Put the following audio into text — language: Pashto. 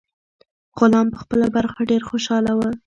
غلام په خپله برخه ډیر خوشاله و.